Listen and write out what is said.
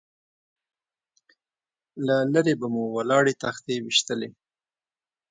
له لرې به مو ولاړې تختې ويشتلې.